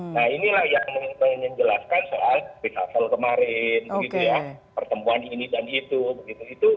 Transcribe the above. nah inilah yang menjelaskan soal bisapel kemarin pertemuan ini dan itu